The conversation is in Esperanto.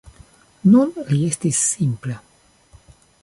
Nun li estis simpla.